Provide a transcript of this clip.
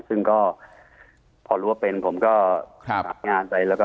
ซึ่งก็พอรู้ว่าเป็นผมก็กลับงานไป